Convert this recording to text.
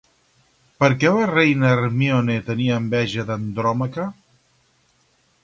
Per què la reina Hermíone tenia enveja d'Andròmaca?